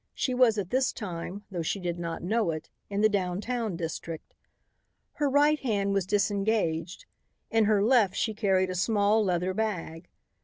She was at this time, though she did not know it, in the down town district. Her right hand was disengaged; in her left she carried a small leather bag.